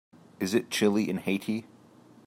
Is it chilly in Haiti